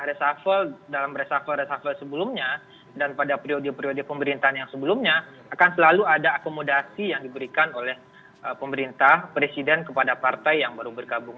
reshuffle dalam reshuffle reshuffle sebelumnya dan pada periode periode pemerintahan yang sebelumnya akan selalu ada akomodasi yang diberikan oleh pemerintah presiden kepada partai yang baru bergabung